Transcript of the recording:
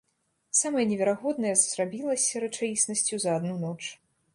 Самае неверагоднае зрабілася рэчаіснасцю за адну ноч.